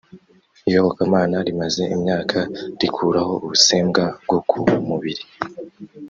iyobokamana rimaze imyaka rikuraho ubusembwa bwo ku mubiri